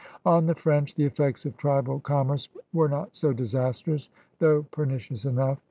On the French the effects of tribal commerce were not so disastrous, though pernicious enough.